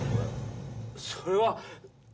それは。